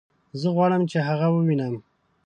زه غواړم چې هغه ووينم